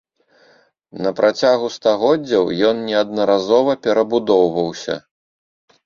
На працягу стагоддзяў ён неаднаразова перабудоўваўся.